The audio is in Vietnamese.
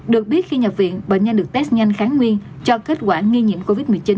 được biết khi nhập viện bệnh nhân được test nhanh kháng nguyên cho kết quả nghi nhiễm covid một mươi chín